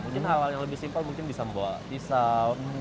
mungkin hal hal yang lebih simpel mungkin bisa membawa pisau